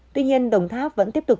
tuy nhiên đồng tháp vẫn tiếp tục